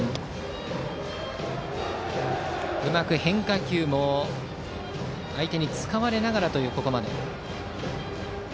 うまく変化球を相手に使われながらというここまで。